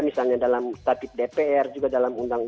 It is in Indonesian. misalnya dalam uu dpr dan dpr kemudian pembangunan kemun